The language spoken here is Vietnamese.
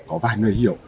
có vài người hiểu